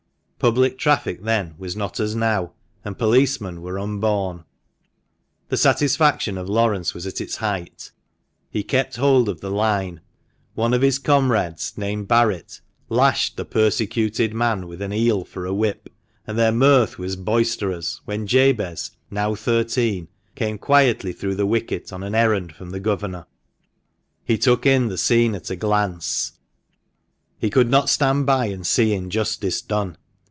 Public traffic then was not as now, and policemen were unborn. The satisfaction of Laurence was at its height, He kept hold of the line ; one of his comrades, named Barret, lashed the persecuted man with an eel for a whip, and their mirth was boisterous, when Jabez (now thirteen) came quietly through the wicket on an errand from the governor. He took in the scene at a glance. He could not stand by and see injustice done.